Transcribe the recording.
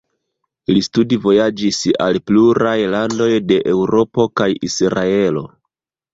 Li studvojaĝis al pluraj landoj de Eŭropo kaj Israelo.